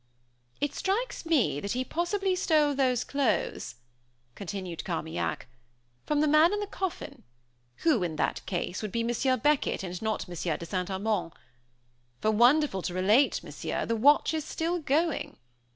"It strikes me that he possibly stole these clothes," continued Carmaignac, "from the man in the coffin, who, in that case, would be Monsieur Beckett, and not Monsieur de St. Amand. For wonderful to relate, Monsieur, the watch is still going!